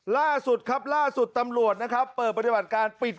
ล่าสุดครับล่าสุดตำรวจนะครับเปิดปฏิบัติการปิด